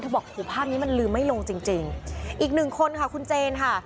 บอกหูภาพนี้มันลืมไม่ลงจริงจริงอีกหนึ่งคนค่ะคุณเจนค่ะ